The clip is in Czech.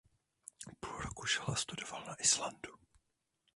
Půl roku žil a studoval na Islandu.